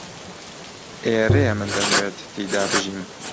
ئێرەیە من دەمەوێت تێیدا بژیم.